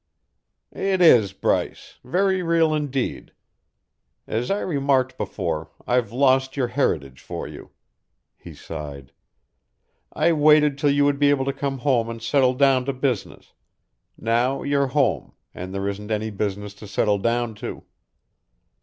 "It is, Bryce, very real indeed. As I remarked before, I've lost your heritage for you." He sighed. "I waited till you would be able to come home and settle down to business; now you're home, and there isn't any business to settle down to."